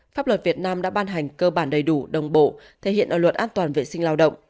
pháp luật việt nam đã ban hành cơ bản đầy đủ đồng bộ thể hiện ở luật an toàn vệ sinh lao động